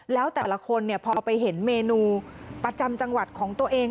แล้วแต่ละคนพอไปเห็นเมนูประจำจังหวัดของตัวเอง